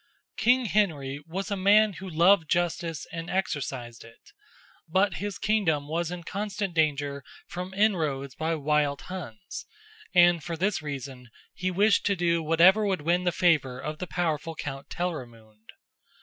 King Henry was a man who loved justice and exercised it, but his kingdom was in constant danger from inroads by wild Huns, and for this reason he wished to do whatever would win the favor of the powerful Count Telramund.